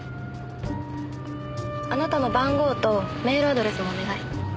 あなたの番号とメールアドレスもお願い。